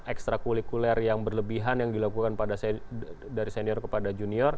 ekstra kulikuler yang berlebihan yang dilakukan dari senior kepada junior